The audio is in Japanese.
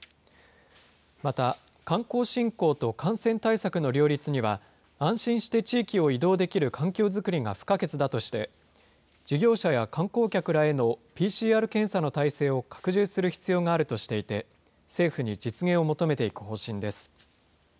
また、観光振興と感染対策の両立には、安心して地域を移動できる環境作りが不可欠だとして、事業者や観光客らへのＰＣＲ検査の体制を拡充する必要があるとしていて、政府に実現を求めていく方針です。